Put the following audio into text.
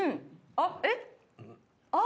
あっえっ？